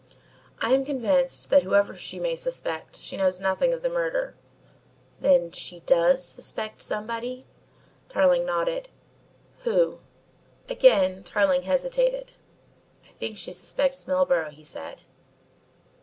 "I am convinced that, whoever she may suspect, she knows nothing of the murder," he said shortly. "Then she does suspect somebody?" Tarling nodded. "Who?" Again Tarling hesitated. "I think she suspects Milburgh," he said.